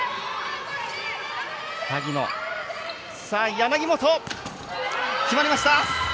柳本、決まりました！